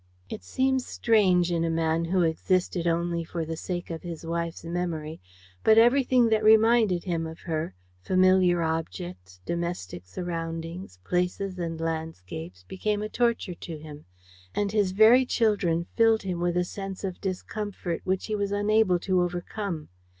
It seems strange in a man who existed only for the sake of his wife's memory, but everything that reminded him of her familiar objects, domestic surroundings, places and landscapes became a torture to him; and his very children filled him with a sense of discomfort which he was unable to overcome.